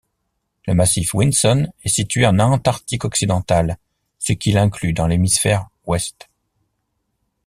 Le massif Vinson est situé en Antarctique occidental ce qui l'inclut dans l'hémisphère ouest.